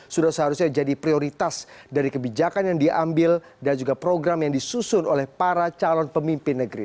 sudah seharusnya jadi prioritas dari kebijakan yang diambil dan juga program yang disusun oleh para calon pemimpin negeri